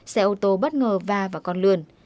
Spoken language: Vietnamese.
xe ô tô bất ngờ va vào con lươn